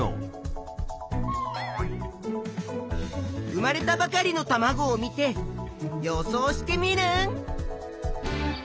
生まれたばかりのたまごを見て予想しテミルン。